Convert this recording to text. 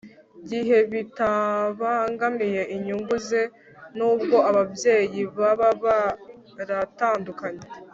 gihe bitabangamiye inyungu ze n ubwo ababyeyi baba baratandukanye